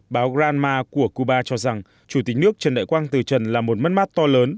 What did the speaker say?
báo granma của cuba cho rằng chủ tịch nước trần đại quang từ trần là một mất mát to lớn